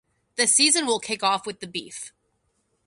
The season will kick off with the Beef.